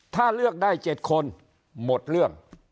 ถ้าเลือกได้๗คนหมดเรื่อง